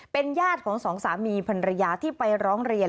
เป็นญาติของสองสามีพันรยาที่ไปร้องเรียน